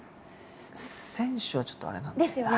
「選手」はちょっとあれなんで。ですよね。